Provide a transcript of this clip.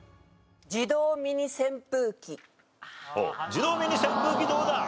自動ミニ扇風機どうだ？